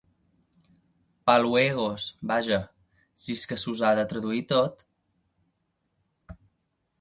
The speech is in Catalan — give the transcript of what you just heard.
Paluegos, vaja, si és que s'us ha de traduir tot!